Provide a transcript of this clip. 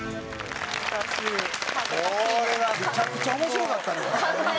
これはめちゃくちゃ面白かったねこれ。